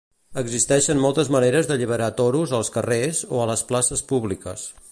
Existeixen moltes maneres d'alliberar toros als carrers o a les places públiques.